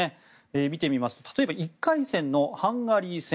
見てみますと例えば１回戦のハンガリー戦。